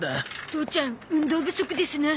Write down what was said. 父ちゃん運動不足ですな。